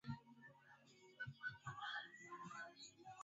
Sheria ya Serikali za Mitaa zilianza mwaka na Sheria ya Miji